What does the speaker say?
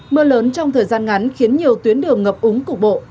mưa lớn trong thời gian ngắn khiến nhiều tuyến đường ngập úng cục bộ